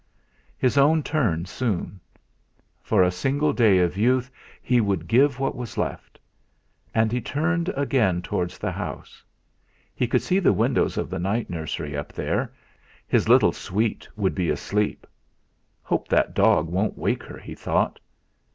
His own turn soon. For a single day of youth he would give what was left! And he turned again towards the house. He could see the windows of the night nursery up there. His little sweet would be asleep. 'Hope that dog won't wake her!' he thought.